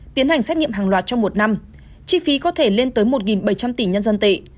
tiến hành xét nghiệm hàng loạt trong một năm chi phí có thể lên tới một bảy trăm linh tỷ nhân dân tệ